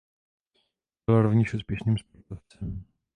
Byl rovněž úspěšným sportovcem.